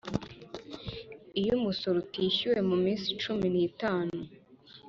Iyo umusoro utishyuwe mu minsi cumi n itanu